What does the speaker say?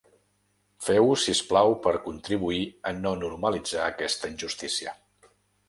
Feu-ho si us plau per contribuir a no normalitzar aquesta injustícia.